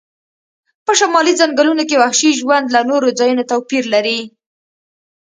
په شمالي ځنګلونو کې وحشي ژوند له نورو ځایونو توپیر لري